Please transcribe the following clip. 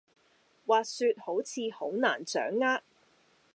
滑雪好似好難掌握